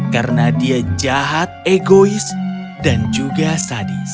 karena dia jahat egois dan juga sadis